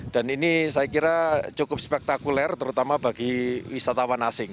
dan ini saya kira cukup spektakuler terutama bagi wisatawan asing